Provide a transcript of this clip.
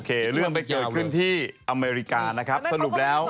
เรื่องไปเกิดขึ้นที่อเมริกานะครับสรุปแล้ว